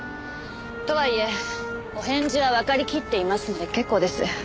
とはいえお返事はわかりきっていますので結構です。